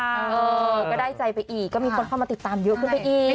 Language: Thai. เออก็ได้ใจไปอีกก็มีคนเข้ามาติดตามเยอะขึ้นไปอีก